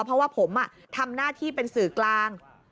เพราะว่าผมทำหน้าที่เป็นสื่อกลาง